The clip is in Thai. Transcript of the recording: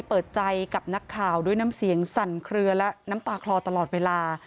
เปิดใจกับนักข่าวด้วยน้ำเสียงสั่นเคลือและน้ำตาคลอตลอดเวลา